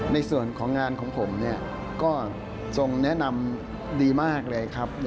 ในส่วนของงานของผมก็ทรงแนะนำดีมากเลยครับ